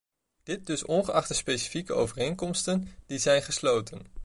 Dit dus ongeacht de specifieke overeenkomsten die zijn gesloten.